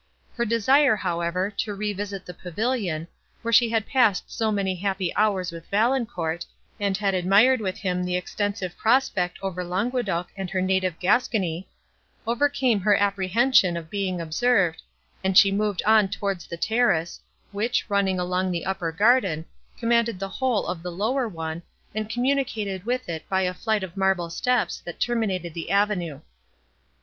Her desire, however, to revisit the pavilion, where she had passed so many happy hours with Valancourt, and had admired with him the extensive prospect over Languedoc and her native Gascony, overcame her apprehension of being observed, and she moved on towards the terrace, which, running along the upper garden, commanded the whole of the lower one, and communicated with it by a flight of marble steps, that terminated the avenue.